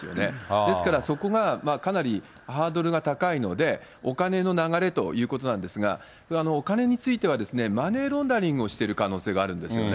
ですから、そこがかなりハードルが高いので、お金の流れということなんですが、お金については、マネーロンダリングをしている可能性があるんですよね。